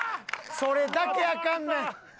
それだけアカンねん。